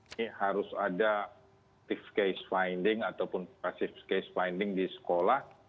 ini harus ada passive case finding di sekolah